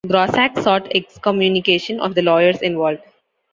Grossack sought excommunication of the lawyers involved.